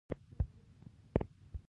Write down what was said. ځواب ورکول څه مهارت غواړي؟